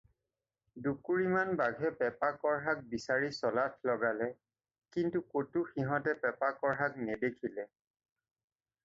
দুকুৰিমান বাঘে পেপা-কঢ়াক বিচাৰি চলাথ লগালে, কিন্তু ক'তো সিহঁতে পেপা-কঢ়াক নেদেখিলে।